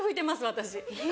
私。